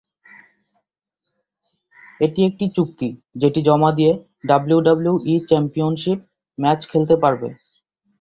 এটি একটি চুক্তি যেটি জমা দিয়ে ডাব্লিউডাব্লিউই চ্যাম্পিয়নশীপ ম্যাচ খেলতে পারবে।